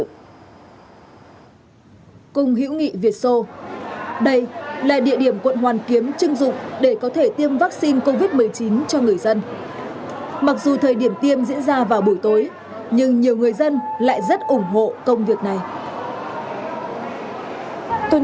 cùng hữu nghị việt sô đây là địa điểm quận hoàn kiếm chứng dụng để có thể tiêm vaccine covid một mươi chín cho người dân